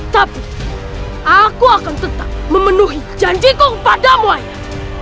tapi aku akan tetap memenuhi janjiku padamu ayah